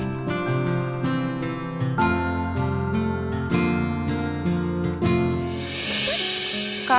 bersama pak rendy